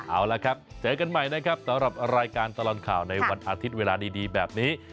เอาละครับเจอกันใหม่นะครับสำหรับรายการตลอดข่าวในวันอาทิตย์เวลาดีแบบนี้